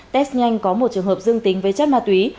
test nhanh có một trường hợp dương tính với chất ma túy